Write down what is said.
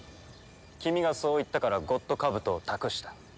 君がそう言ったからゴッドカブトを託した。